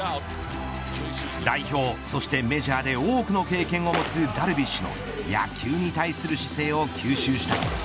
代表、そしてメジャーで多くの経験を持つダルビッシュの野球に対する姿勢を吸収したい。